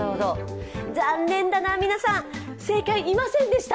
残念だな皆さん、正解いませんでした。